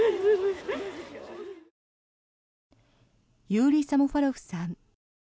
ユーリ・サモファロフさん。